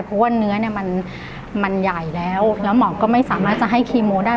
เพราะว่าเนื้อเนี่ยมันใหญ่แล้วแล้วหมอก็ไม่สามารถจะให้คีโมได้